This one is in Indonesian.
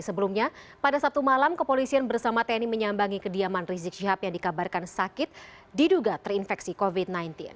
sebelumnya pada sabtu malam kepolisian bersama tni menyambangi kediaman rizik syihab yang dikabarkan sakit diduga terinfeksi covid sembilan belas